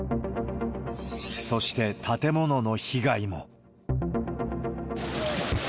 そして、建物の被害も。